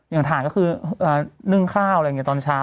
อย่างฐานก็คือนึ่งข้าวอะไรอย่างนี้ตอนเช้า